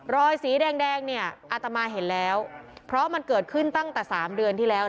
สีแดงเนี่ยอาตมาเห็นแล้วเพราะมันเกิดขึ้นตั้งแต่๓เดือนที่แล้ว